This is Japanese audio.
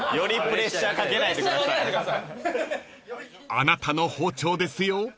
［あなたの包丁ですよ］